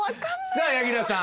さぁ柳楽さん。